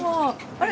あれ？